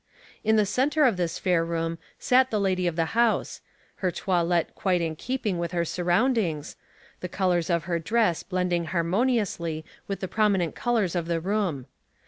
In the center of this fair room sat the lady of the hout>'e, her toilet quite in keeping with her surroundings, tlie colors of her dress blending harmoniously with the prominent colors of the room.